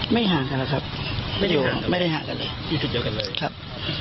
ไม่ห่างกันหรอครับไม่ได้ห่างกันเลยไม่ได้ห่างกันเลยครับ